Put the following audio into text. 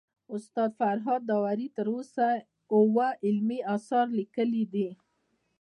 استاد فرهاد داوري تر اوسه اوه علمي اثار ليکلي دي